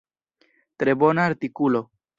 Tre bona artikulo.